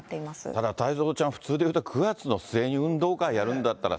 ただ、太蔵ちゃん、普通でいうと９月の末に運動会やるんだったら、